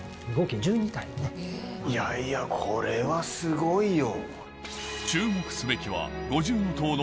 いやいやこれはすごいよ。